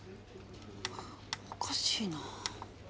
おかしいな。